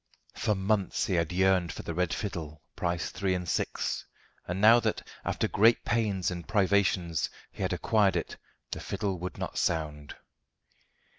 For months he had yearned for the red fiddle, price three and six, and now that, after great pains and privations, he had acquired it, the fiddle would not sound.